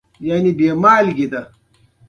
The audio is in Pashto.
د رڼا صندوق لکه مار وپرشېده.